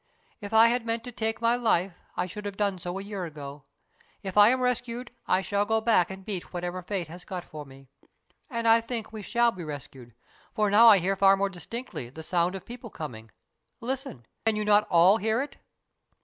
If I had meant to take my life, I should have done so a year ago. If I am rescued, I shall go back and meet whatever fate has got for me. And I think we shall be rescued, for now I hear far more distinctly the sound of people coming. Listen ! Can you not all hear it